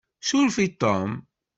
Suref i Tom.